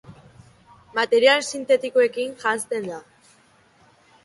Material sintetikoekin janzten da.